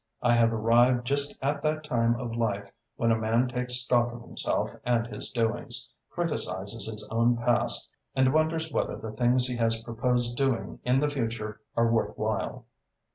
I have arrived just at that time of life when a man takes stock of himself and his doings, criticises his own past and wonders whether the things he has proposed doing in the future are worth while."